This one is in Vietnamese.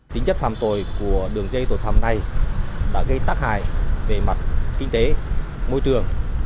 tính chất phạm tội của đường dây tội phạm này đã gây tắc hại về mặt kinh tế môi trường